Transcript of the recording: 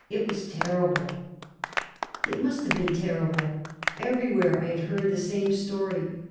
It was terrible." It must have been terrible. Everywhere I had heard the same story.